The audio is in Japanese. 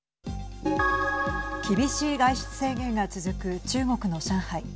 厳しい外出制限が続く中国の上海。